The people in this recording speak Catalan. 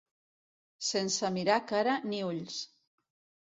Sense mirar cara ni ulls.